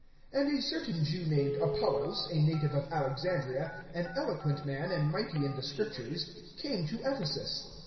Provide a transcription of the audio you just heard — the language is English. (24)And a certain Jew named Apollos, a native of Alexandria, an eloquent man, and mighty in the Scriptures, came to Ephesus.